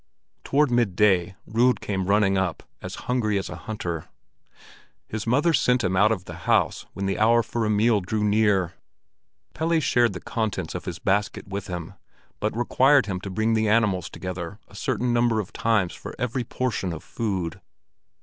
Toward midday Rud came running up, as hungry as a hunter. His mother sent him out of the house when the hour for a meal drew near. Pelle shared the contents of his basket with him, but required him to bring the animals together a certain number of times for every portion of food.